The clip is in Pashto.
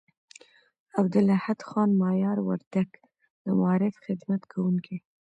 عبدالاحد خان مایار وردگ، د معارف خدمت کوونکي